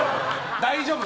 大丈夫。